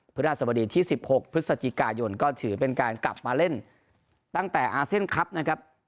พระราชบดีที่๑๖พฤศจิกายนก็ถือเป็นการกลับมาเล่นตั้งแต่อาเซียนคลับนะครับ